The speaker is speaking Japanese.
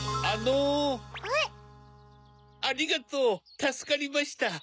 ありがとうたすかりました。